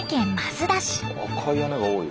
赤い屋根が多い。